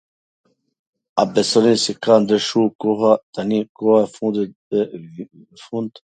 A besoni se ka ndryshu koha tani kohwt e fundit, nw fund?